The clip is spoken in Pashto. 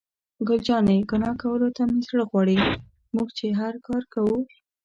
ګل جانې: ګناه کولو ته مې زړه غواړي، موږ چې هر کار کوو.